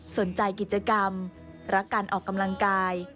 กิจกรรมรักการออกกำลังกาย